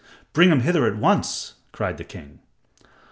"Bring him hither at once," cried the king.